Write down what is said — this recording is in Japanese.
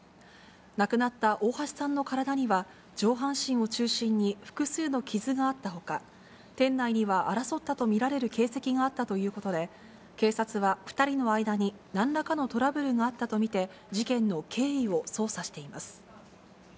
亡くなった大橋さんの体には、上半身を中心に複数の傷があったほか、店内には争ったと見られる形跡があったということで、警察は２人の間になんらかのトラブルがあったと見て、事件の経緯を捜査しています。